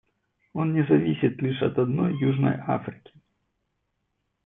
Он не зависит лишь от одной Южной Африки.